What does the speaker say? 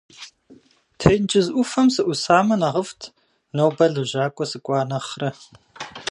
Тенджыз ӏуфэм сыӏусамэ нэхъыфӏт, нобэ лэжьакӏуэ сыкӏуа нэхърэ!